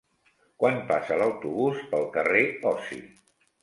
Quan passa l'autobús pel carrer Osi?